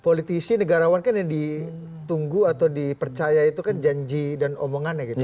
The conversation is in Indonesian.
politisi negarawan kan yang ditunggu atau dipercaya itu kan janji dan omongannya gitu